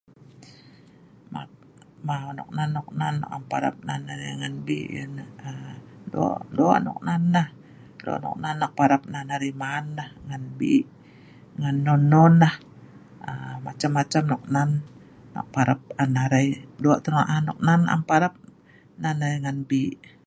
man mau noknan noknan nok am parap nan arai ngan bi ngan aa lok lok noknan nah lok noknan nok parap nan arai man nah ngan bi' ngan non non lah aa macam macam nok nan nok parap an arai lok teh na'an noknan am parap nan arai ngan bi'